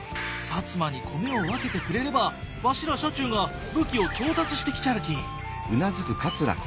摩に米を分けてくれればわしら社中が武器を調達してきちゃるき。